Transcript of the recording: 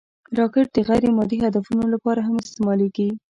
راکټ د غیر مادي هدفونو لپاره هم استعمالېږي